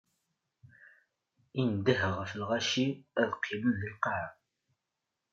Indeh ɣef lɣaci ad qqimen di lqaɛa.